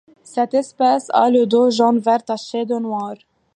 Cette espèce a le dos jaune vert taché de noir.